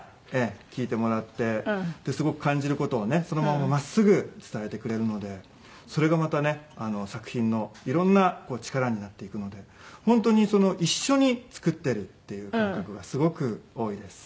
聴いてもらってすごく感じる事をねそのまま真っすぐ伝えてくれるのでそれがまたね作品の色んな力になっていくので本当に一緒に作ってるっていう感覚がすごく多いです。